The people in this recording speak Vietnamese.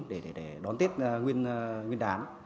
để đón tiết nguyên đán